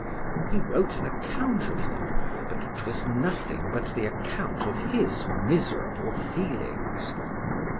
—He wrote an account of them, but 'twas nothing but the account of his miserable feelings.